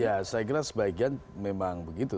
ya saya kira sebagian memang begitu